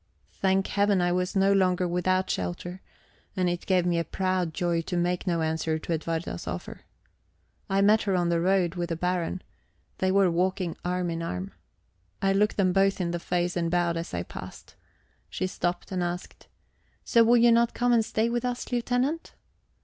Thank Heaven, I was no longer without shelter, and it gave me a proud joy to make no answer to Edwarda's offer. I met her on the road, with the Baron; they were walking arm in arm. I looked them both in the face and bowed as I passed. She stopped, and asked: "So you will not come and stay with us, Lieutenant?"